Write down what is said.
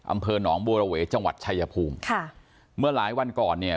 อำเภอหนองบัวระเวจังหวัดชายภูมิค่ะเมื่อหลายวันก่อนเนี่ย